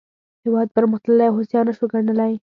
هېواد پرمختللی او هوسا نه شو ګڼلای.